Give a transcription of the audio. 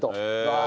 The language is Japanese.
ああ。